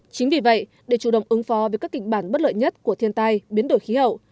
chính vì vậy để chủ động ứng phó với các kịch bản bất lợi nhất của thiên tai biến đổi khí hậu